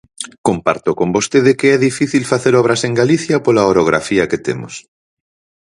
Comparto con vostede que é difícil facer obras en Galicia pola orografía que temos.